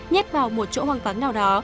nhét vào một chỗ hoang vắng nào đó